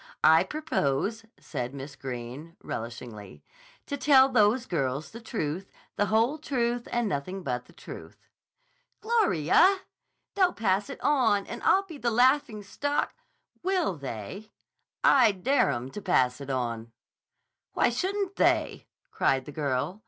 I propose," said Miss Greene relishingly, "to tell those girls the truth, the whole truth, and nothing but the truth." "Gloria! They'll pass it on and I'll be the laughing stock—" "Will they! I dare 'em to pass it on!" "Why shouldn't they?" cried the girl.